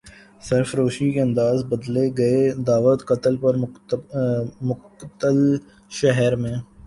سرفروشی کے انداز بدلے گئے دعوت قتل پر مقتل شہر میں